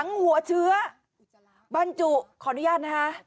หัวเชื้อบรรจุขออนุญาตนะคะ